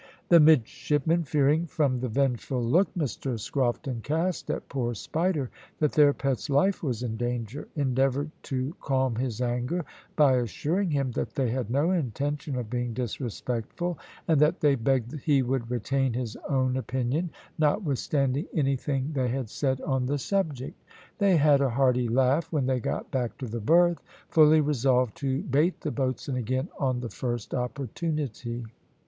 The midshipmen fearing, from the vengeful look Mr Scrofton cast at poor Spider, that their pet's life was in danger, endeavoured to calm his anger by assuring him that they had no intention of being disrespectful, and that they begged he would retain his own opinion, notwithstanding anything they had said on the subject. They had a hearty laugh when they got back to the berth, fully resolved to bait the boatswain again on the first opportunity.